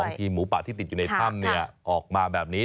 ทีมหมูป่าที่ติดอยู่ในถ้ำออกมาแบบนี้